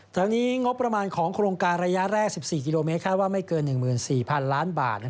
ทั้งนี้งบประมาณของโครงการระยะแรก๑๔กิโลเมตรคาดว่าไม่เกิน๑๔๐๐๐ล้านบาท